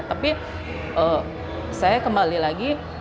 tapi saya kembali lagi